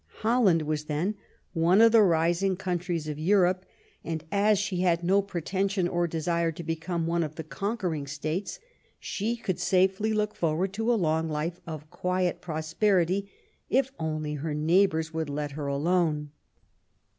Holland was then one of the rising countries of 35 THE REIGN OF QUEEN ANNE Europe, and as she had no pretension or desire to become one of the conquering states, she could safely look forward to a long life of quiet prosperity if only her neighbors would let her alone.